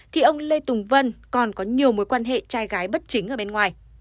thì ông lê tùng vân còn có nhiều mối quan hệ trai gái bất chính ở bên ngoài